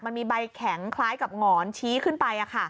มันมีใบแข็งคล้ายกับหงอนชี้ขึ้นไป